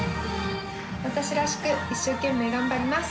私らしく一生懸命頑張ります。